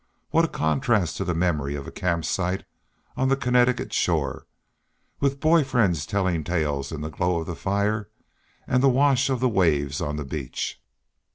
What a contrast to the memory of a camp site on the Connecticut shore, with boy friends telling tales in the glow of the fire, and the wash of the waves on the beach!